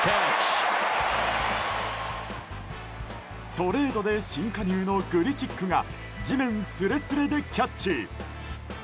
トレードで新加入のグリチックが地面すれすれでキャッチ。